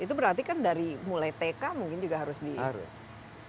itu berarti kan mulai dari tk mungkin juga harus diajarkan